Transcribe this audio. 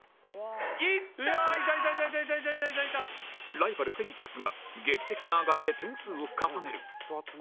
ライバルフェニックスが劇的なアガリで点数を重ねる